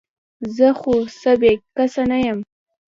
زه خو څه بې کسه نه یم ؟